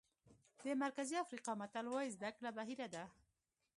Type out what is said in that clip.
د مرکزي افریقا متل وایي زده کړه بحیره ده.